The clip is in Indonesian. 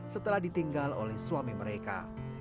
setelah ditinggal oleh suami mereka